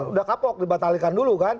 kalau sudah kapok dibatalikan dulu